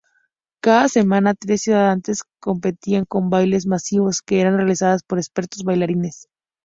Cada semana, tres ciudades competían con bailes masivos que eran realizados por expertos bailarines.